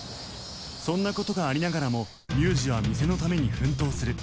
そんな事がありながらも龍二は店のために奮闘する